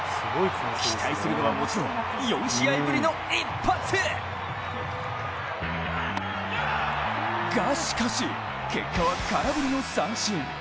期待するのはもちろん４試合ぶりの一発！がしかし、結果は空振りの三振。